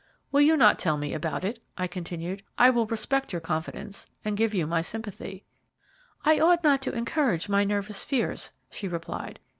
"Will you not tell me about it?" I continued. "I will respect your confidence, and give you my sympathy." "I ought not to encourage my nervous fears," she replied.